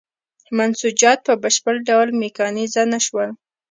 منسوجات په بشپړ ډول میکانیزه نه شول.